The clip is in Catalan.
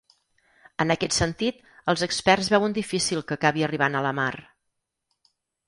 En aquest sentit, els experts veuen difícil que acabi arribant a la mar.